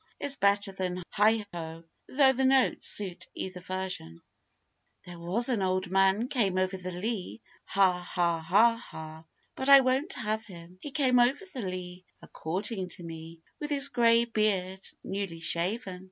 is better than heigho, though the notes suit either version.'] THERE was an old man came over the Lea, Ha ha ha ha! but I won't have him. He came over the Lea, A courting to me, With his grey beard newly shaven.